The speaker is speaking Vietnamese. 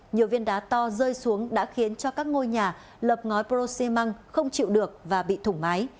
nhiều viên đá to rơi xuống đã khiến cho các ngôi nhà lập ngói porosimăng không chịu được và bị thủng máy